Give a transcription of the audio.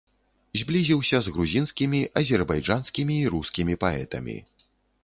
Зблізіўся з грузінскімі, азербайджанскімі і рускімі паэтамі.